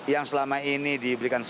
yang selama ini diberikan